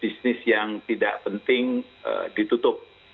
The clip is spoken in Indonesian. bisnis yang tidak penting ditutup